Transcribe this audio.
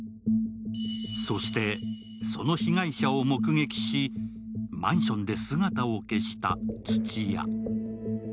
そして、その被害者を目撃し、マンションで姿を消した土屋。